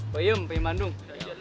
bu iyum pilih bandung